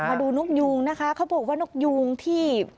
มาดูนกยูงนะคะเขาบอกว่านกยูงที่